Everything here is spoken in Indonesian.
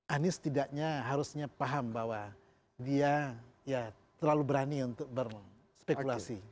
anies tidaknya harusnya paham bahwa dia ya terlalu berani untuk berspekulasi